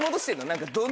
何か。